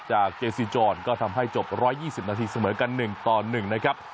จากเจซิจอนก็ทำให้จบณสมเหลือกันหนึ่งต่อหนึ่งนะครับ